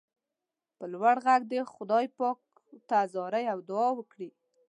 په لوړ غږ دې خدای پاک ته زارۍ او دعا وکړئ.